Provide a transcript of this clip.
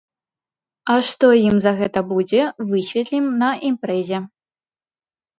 А што ім за гэта будзе, высветлім на імпрэзе!